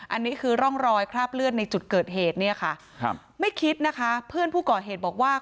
อันนี้คือร่องรอยคราบเลือดในจุดเกิดเหตุเนี่ยค่ะครับไม่คิดนะคะเพื่อนผู้ก่อเหตุบอกว่า